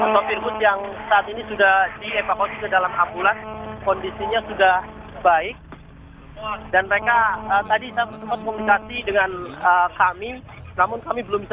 sofir bus dan salah satu sopir bus